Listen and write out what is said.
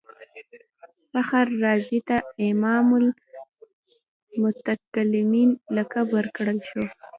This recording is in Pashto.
فخر رازي ته امام المتکلمین لقب ورکړل شو.